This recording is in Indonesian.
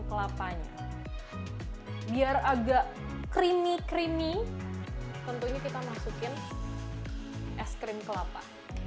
kelapanya biar agak creamy creamy tentunya kita masukin es krim kelapa